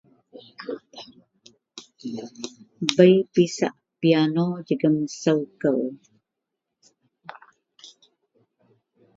bei pisak piano jegum sou kou